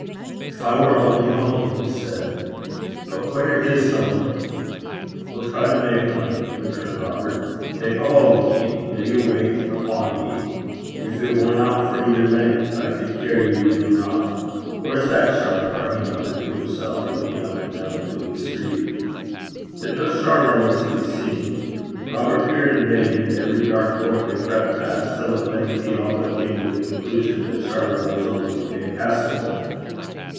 'If I were only home!' he said. 'But where is home?' 'We'll try to mak ane,' returned Robert. 'Tak a haud o' me. Lay yer weicht upo' me. Gin it warna for yer len'th, I cud cairry ye weel eneuch. Whaur's that Shargar?' he muttered to himself, looking up and down the gloomy street. But no Shargar was to be seen. Robert peered in vain into every dark court they crept past, till at length he all but came to the conclusion that Shargar was only 'fantastical.'